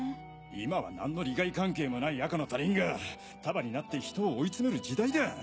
今は何の利害関係もない赤の他人が束になって人を追い詰める時代だ。